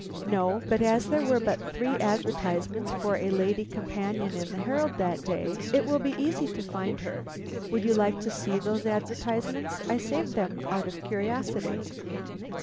"No; but as there were but three advertisements for a lady companion in the Herald that day, it will be easy to find her. Would you like to see those advertisements? I saved them out of curiosity."